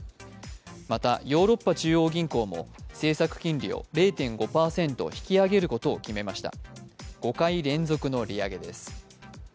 また、ヨーロッパ中央銀行も政策金利を０．５％引き上げることを決めました５回連続の利上げです。